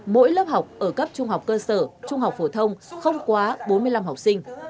mỗi lớp học ở cấp trung học cơ sở trung học phổ thông không quá bốn mươi năm học sinh